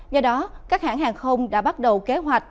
do đó các hãng hàng không đã bắt đầu kế hoạch